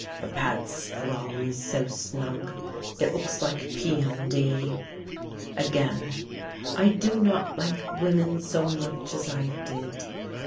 A bad scrawl is so snug; it looks like PMD." Again: "I do not like women so much as I did.